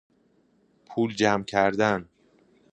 پول جمع کردن